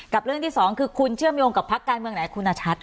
กับเรื่องที่สองคือคุณเชื่อมโยงกับพรรคการเมืองไหนคุณอาชัตริย์